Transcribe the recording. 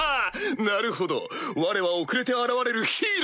なるほどわれは遅れて現れるヒーローだな！